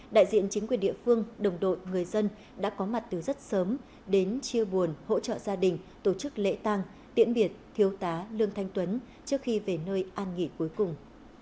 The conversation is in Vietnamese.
đại diện chính quyền địa phương đồng đội người dân đã có mặt từ rất sớm đến chia buồn hỗ trợ gia đình tổ chức lễ tăng tiễn biệt thiếu tá lương thanh tuấn trước khi về nơi an nghỉ cuối cùng